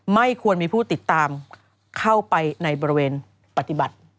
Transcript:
ไม่ควรมีผู้ติดตามเข้าไปในบริเวณปฏิบัติ